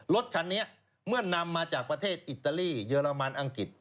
รถคันนี้เมื่อนำมาจากประเทศอิตาลีเยอรมันอังกฤษ